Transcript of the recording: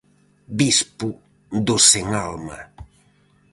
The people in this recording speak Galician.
Bispo dos sen alma.